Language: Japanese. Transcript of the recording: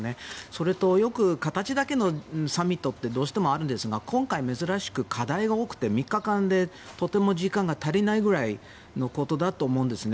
それとよく形だけのサミットってどうしてもあるんですが今回、珍しく課題が多くて３日間でとても時間が足りないくらいのことだと思うんですね。